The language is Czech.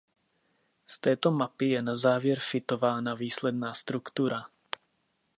Z této mapy je na závěr fitována výsledná struktura.